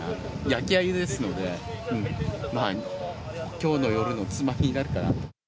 焼きあゆですのできょうの夜のつまみになったらと。